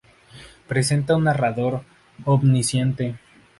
Presenta un narrador omnisciente.